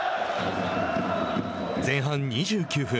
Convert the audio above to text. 前半２９分。